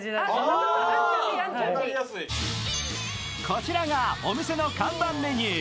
こちらがお店の看板メニュー。